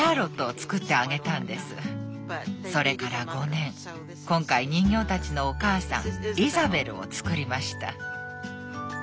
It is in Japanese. それから５年今回人形たちのお母さんイザベルを作りました。